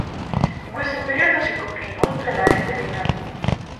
In questo periodo si coprì inoltre la rete dei navigli.